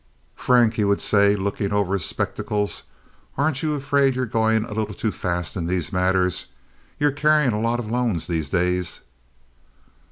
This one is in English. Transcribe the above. "Frank," he would say, looking up over his spectacles, "aren't you afraid you're going a little too fast in these matters? You're carrying a lot of loans these days."